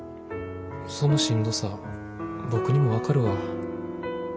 そのしんどさは僕にも分かるわ。